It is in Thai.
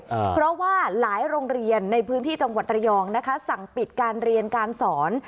เพราะว่าหลายโรงเรียนในพื้นที่จังหวัดระยองนะคะสั่งปิดการเรียนการสอน